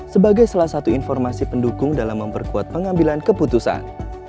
sebagai salah satu informasi pendukung dalam memperkuat pengambilan keputusan